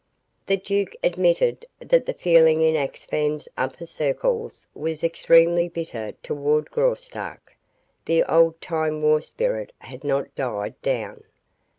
The duke admitted that the feeling in Axphain's upper circles was extremely bitter toward Graustark. The old time war spirit had not died down.